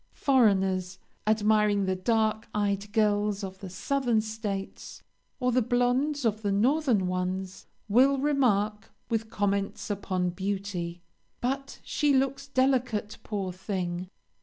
Foreigners, admiring the dark eyed girls of the southern states or the blondes of the northern ones, will remark, with comments upon beauty: "But she looks delicate, poor thing!